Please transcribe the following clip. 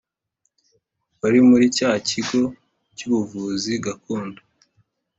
wari muri cya kigo cy’ubuvuzi gakondo.